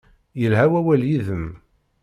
Yelha wawal yid-m.